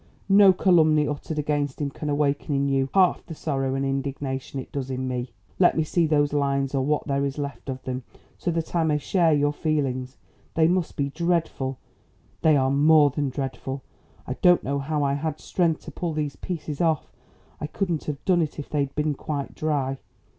No calumny uttered against him can awaken in you half the sorrow and indignation it does in me. Let me see those lines or what there is left of them so that I may share your feelings. They must be dreadful " "They are more than dreadful. I don't know how I had strength to pull these pieces off. I couldn't have done it if they had been quite dry.